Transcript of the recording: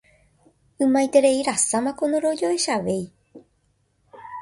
Ymaitereirasámako ndorojoechavéi.